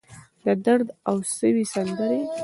د درد اوسوي سندرې